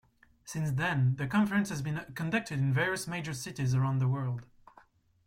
Since then, the Conference has been conducted in various major cities around the world.